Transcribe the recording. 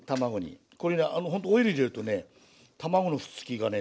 これねほんとオイル入れるとね卵のくっつきがね